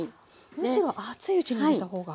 むしろ熱いうちに入れたほうが。